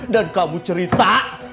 dan kamu cerita